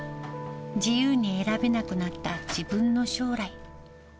自由に選べなくなった自分の将来。